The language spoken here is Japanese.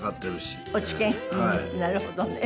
なるほどね。